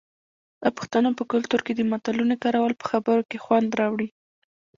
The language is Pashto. د پښتنو په کلتور کې د متلونو کارول په خبرو کې خوند راوړي.